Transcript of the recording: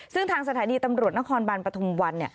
ซึ่งทางสถานีตำรวจนครบันปฐุมวัน